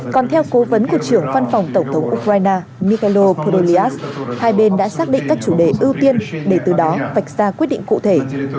còn theo cố vấn của trưởng văn phòng tổng thống ukraine mikelo polyas hai bên đã xác định các chủ đề ưu tiên để từ đó vạch ra quyết định cụ thể